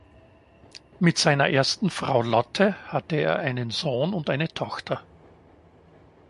Mit seiner ersten Frau Lotte hatte er einen Sohn und eine Tochter.